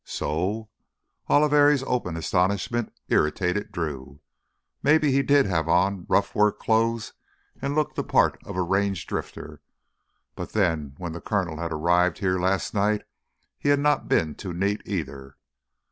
"So?" Oliveri's open astonishment irritated Drew. Maybe he did have on rough work clothes and look the part of a range drifter. But then when the Coronel had arrived here last night, he had not been too neat either.